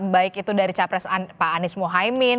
baik itu dari capres anpa anies muhaimin